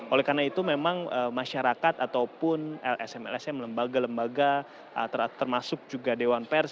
oleh karena itu memang masyarakat ataupun lsm lsm lembaga lembaga termasuk juga dewan pers